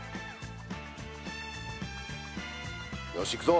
よしいくぞ。